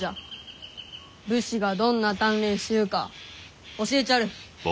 武士がどんな鍛錬しゆうか教えちゃる。